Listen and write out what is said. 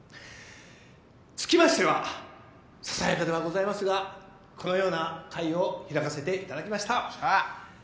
つきましてはささやかではございますがこのような会を開かさせていただきました。